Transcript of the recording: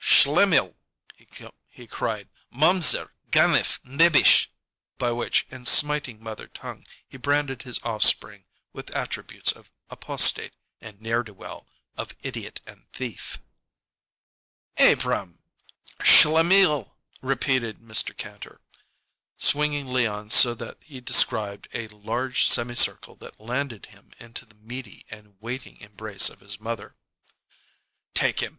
"Schlemmil!" he cried. "Momser! Ganef! Nebich!" by which, in smiting mother tongue, he branded his offspring with attributes of apostate and ne'er do well, of idiot and thief. "Abrahm!" "Schlemmil!" repeated Mr. Kantor, swinging Leon so that he described a large semicircle that landed him into the meaty and waiting embrace of his mother. "Take him!